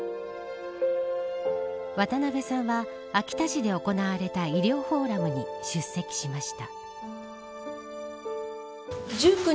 渡辺さんは、秋田市で行われた医療フォーラムに出席しました。